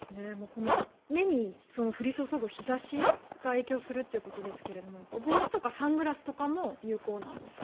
目に降り注ぐ日差しが影響するということですが帽子とかサングラスとかも有効なんですか？